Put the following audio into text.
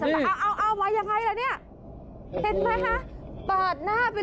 เอาไว้ยังไงล่ะนี่